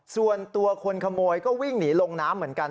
ส่วนตัวคนขโมยก็วิ่งหนีลงน้ำเหมือนกัน